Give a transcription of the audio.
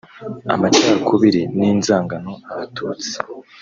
amacakubiri n’inzangano Abatutsi